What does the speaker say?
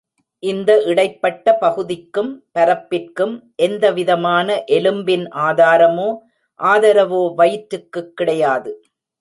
இந்த இடைப்பட்ட பகுதிக்கும் பரப்பிற்கும் எந்த விதமான எலும்பின் ஆதாரமோ, ஆதரவோ வயிற்றுக்குக் கிடையாது.